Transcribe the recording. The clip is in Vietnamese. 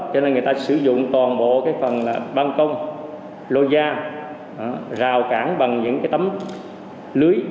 cho nên người ta sử dụng toàn bộ cái phần là băng công lô da rào cản bằng những cái tấm lưới